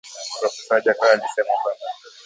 profesa Wajackoya alisema kwamba